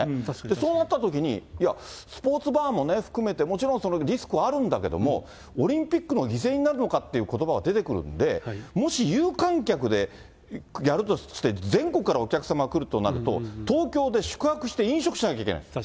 そうなったときに、いや、スポーツバーも含めて、もちろんリスクはあるんだけれども、オリンピックの犠牲になるのかっていうことばが出てくるんで、もし有観客でやるとして、全国からお客様が来るとなると、東京で宿泊して飲食しなきゃいけない。